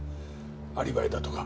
アリバイだとか。